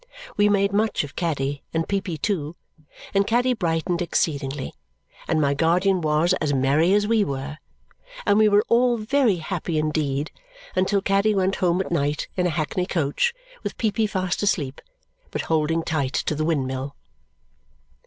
We made much of Caddy, and Peepy too; and Caddy brightened exceedingly; and my guardian was as merry as we were; and we were all very happy indeed until Caddy went home at night in a hackney coach, with Peepy fast asleep, but holding tight to the windmill.